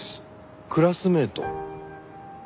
クラスメート？